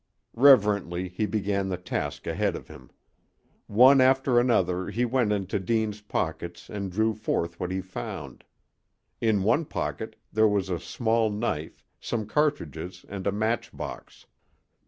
Reverently he began the task ahead of him. One after another he went into Deane's pockets and drew forth what he found. In one pocket there was a small knife, some cartridges, and a match box.